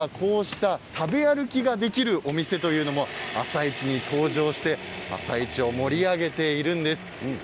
最近ではこうした食べ歩きができるお店というのも朝市に登場して盛り上げているんです。